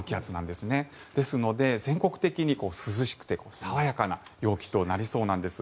ですので、全国的に涼しくて爽やかな陽気となりそうなんです。